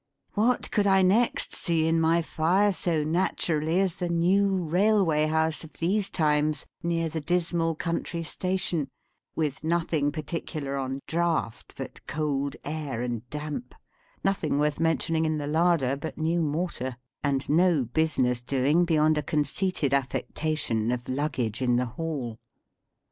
What could I next see in my fire so naturally as the new railway house of these times near the dismal country station; with nothing particular on draught but cold air and damp, nothing worth mentioning in the larder but new mortar, and no business doing beyond a conceited affectation of luggage in the hall?